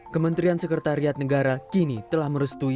kementerian sekretariat negara kini telah merestui